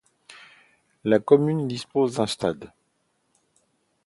La commune dispose d'un stade.